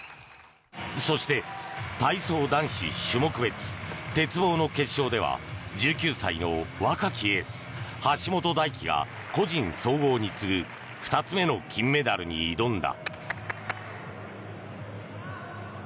そして、体操男子種目別鉄棒の決勝では１９歳の若きエース、橋本大輝が個人総合に次ぐ２つ目の金メダルに挑んだ。